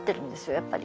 やっぱり。